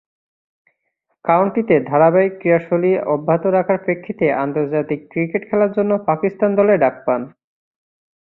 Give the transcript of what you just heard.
কাউন্টিতে ধারাবাহিক ক্রীড়াশৈলী অব্যাহত রাখার প্রেক্ষিতে আন্তর্জাতিক ক্রিকেট খেলার জন্য পাকিস্তান দলে ডাক পান।